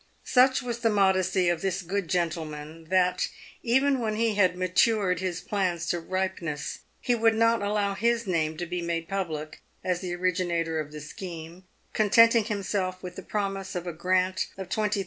Such was the modesty of this good gentleman, that, even when he had matured his plans to ripeness, he would not allow his name to be made public as the originator of the scheme, contenting himself with the promise of a grant of 20,000Z.